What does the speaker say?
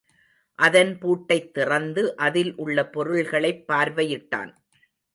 அதன் பூட்டைத் திறந்து அதில் உள்ள பொருள்களைப் பார்வையிட்டான்.